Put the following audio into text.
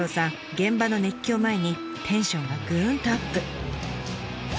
現場の熱気を前にテンションがぐんとアップ。